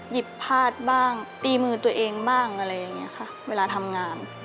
หยิบพาดบ้างตีมือตัวเองบ้างอะไรอย่างนี้ค่ะเวลาทำงาน